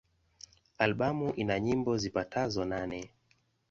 Albamu ina nyimbo zipatazo nane.